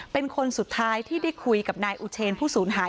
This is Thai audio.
เป็นคนสุดท้ายที่ได้คุยกับนายอุเชนผู้สูญหาย